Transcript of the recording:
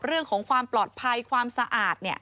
เรื่องของความปลอดภัยความสะอาด